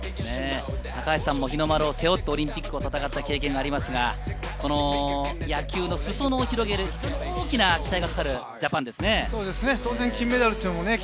高橋さんも日の丸を背負ってオリンピックを戦った経験がありますが、野球の裾野を広げる大きな期待がかかるジャパンですね。